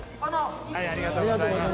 ありがとうございます。